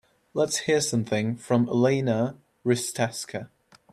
Let's hear something from Elena Risteska